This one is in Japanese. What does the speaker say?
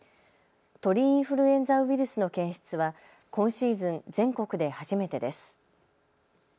鳥インフルエンザウイルスの検出は今シーズン、全国で初めてです。